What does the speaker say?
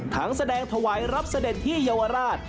แสดงถวายรับเสด็จที่เยาวราช